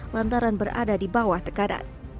lantaran berada di bawah tekanan